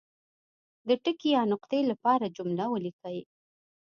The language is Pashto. د ټکي یا نقطې لپاره جمله ولیکي.